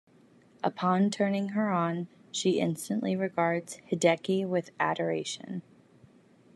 Upon turning her on, she instantly regards Hideki with adoration.